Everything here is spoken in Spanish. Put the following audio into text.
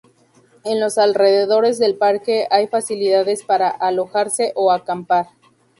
En los alrededores del parque hay facilidades para alojarse o acampar.